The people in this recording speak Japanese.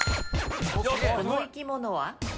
この生き物は？